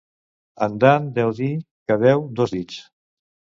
En Dan deu dir que deu dos dits.